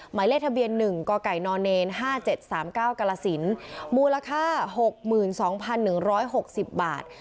หมายเลขทะเบียน๑กกน๕๗๓๙กรสินมูลค่า๖๒๑๖๐บาท